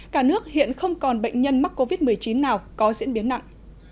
cả nước hiện không còn bệnh nhân mắc covid một mươi chín nào có diễn biến nặng